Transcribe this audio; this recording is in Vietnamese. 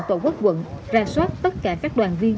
tổ quốc quận ra soát tất cả các đoàn viên